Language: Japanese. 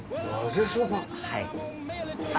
はい。